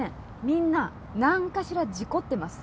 みんな何かしら事故ってます。